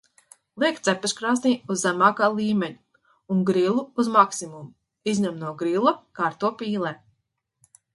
Liek cepeškrāsnī uz zemākā līmeņa un grilu uz maksimumu. Izņem no grila, kārto pīlē.